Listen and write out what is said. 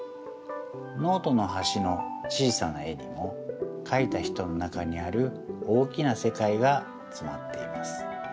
ノートのはしの小さな絵にもかいた人の中にある大きなせかいがつまっています。